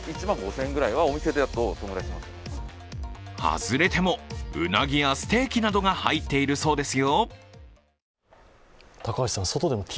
外れてもうなぎやステーキなどが入っているそうですよ。